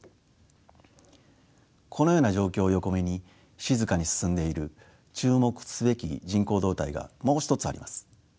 このような状況を横目に静かに進んでいる注目すべき人口動態がもう一つあります。